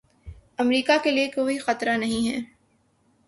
امریکا کے لیے کوئی خطرہ نہیں ہیں